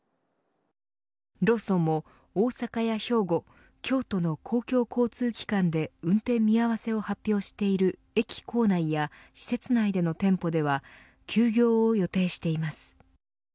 ローソンも大阪や兵庫京都の公共交通機関で運転見合わせを発表している駅構内や施設内での店舗では休業を予定しています。